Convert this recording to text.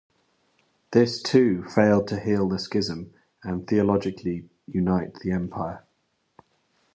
This too failed to heal the schism and theologically unite the Empire.